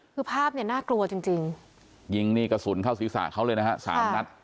คือภาพเนี่ยน่ากลัวจริงจริงยิงนี่กระสุนเข้าศีรษะเขาเลยนะฮะสามนัด